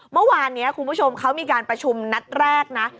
เมื่อวานนี้คุณผู้ชมเขามีการประชุมนัดแรกนะ